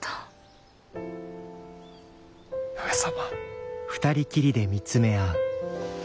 上様。